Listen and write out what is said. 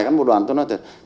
các bộ đoàn tôi nói thật